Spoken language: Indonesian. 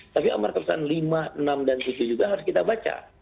tapi amar keputusan lima enam dan tujuh juga harus kita baca